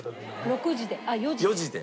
６時であっ４時で？